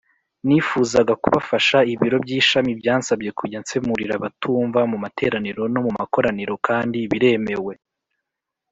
nifuzaga kubafasha Ibiro by ishami byansabye kujya nsemurira abatumva mu materaniro no mu makoraniro kandi biremewe